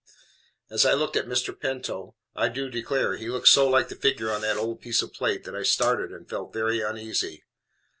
As I looked at Mr. Pinto I do declare he looked so like the figure on that old piece of plate that I started and felt very uneasy.